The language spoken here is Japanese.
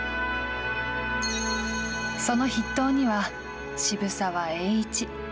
その筆頭には渋沢栄一。